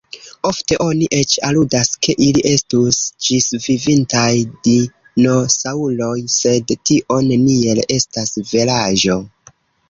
Ofte oni eĉ aludas ke ili estus ĝisvivintaj dinosaŭroj, sed tio neniel estas veraĵo.